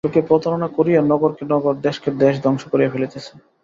লোকে প্রতারণা করিয়া নগরকে নগর, দেশকে দেশ ধ্বংস করিয়া ফেলিতেছে।